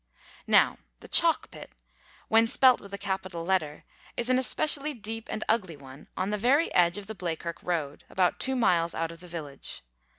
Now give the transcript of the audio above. Now the Chalk pit, when spelt with a capital letter, is an especially deep and ugly one on the very edge of the Bleakirk road, about two miles out of the village.